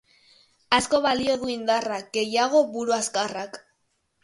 Asko balio du indarrak, gehiago buru azkarrak.